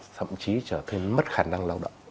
thậm chí trở thành mất khả năng lao động